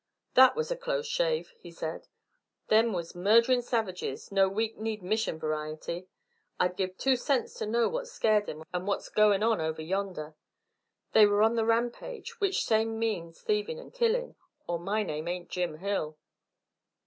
"That was a close shave," he said. "Them was murderin' savages, no weak kneed Mission variety. I'd give two cents to know what scared 'em and what's goin' on over yonder. They were on the rampage, which same means thievin' and killin', or my name ain't Jim Hill."